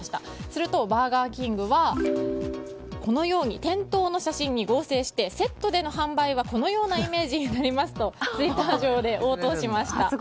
するとバーガーキングはこのように、店頭写真に合成してセットでの販売はこのようなイメージになりますとツイッター上で応答しました。